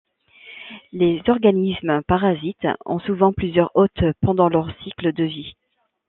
Les organismes parasites ont souvent plusieurs hôtes pendant leur cycle de vie.